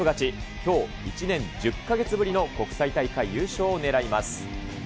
きょう１年１０か月ぶりの国際大会優勝を狙います。